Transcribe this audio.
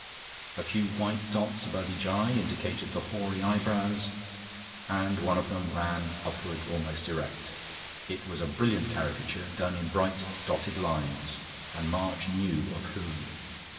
A few white dots above each eye indicated the hoary eyebrows; and one of them ran upward almost erect. It was a brilliant caricature done in bright dotted lines and March knew of whom.